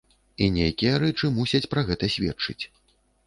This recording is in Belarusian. І нейкія рэчы мусяць пра гэта сведчыць.